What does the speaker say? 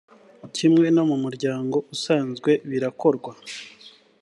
kimwe no mu muryango usanzwe birakorwa.